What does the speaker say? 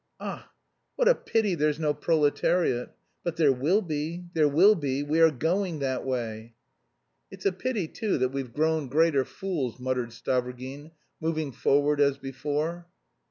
Ah, what a pity there's no proletariat! But there will be, there will be; we are going that way...." "It's a pity, too, that we've grown greater fools," muttered Stavrogin, moving forward as before.